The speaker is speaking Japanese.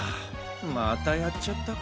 またやっちゃったか。